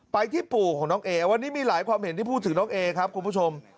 ไปที่ปู่ของน้องเอวันนี้มีหลายความเห็นที่พูดถึงน้องเอครับคุณผู้ชม